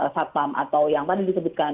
satpam atau yang tadi disebutkan